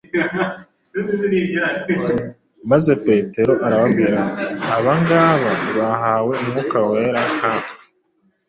Maze Petero arababwira ati: “Aba ngaba bahawe Umwuka Wera nkatwe,